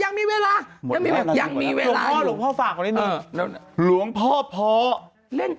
ยังมีเวลายังมีเวลาพ่อหลวงพ่อฝากไว้นิดนึง